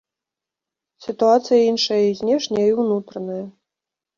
Сітуацыя іншая і знешняя, і ўнутраная.